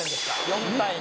４対２。